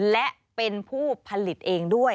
และเป็นผู้ผลิตเองด้วย